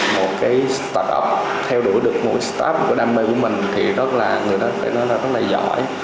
một cái start up theo đuổi được mỗi start up của đam mê của mình thì rất là người đó phải nói là rất là giỏi